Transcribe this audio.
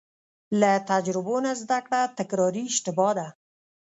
له تجربو نه زده کړه تکراري اشتباه ده.